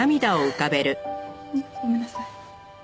ごめんなさい。